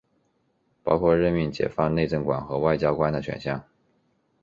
包括任命和解任内政管和外交官的选项。